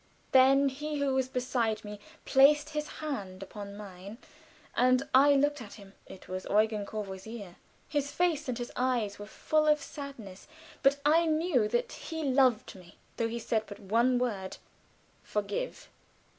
Then he who was beside me placed his hand upon mine, and I looked at him. It was Eugen Courvoisier. His face and his eyes were full of sadness; but I knew that he loved me, though he said but one word, "Forgive!"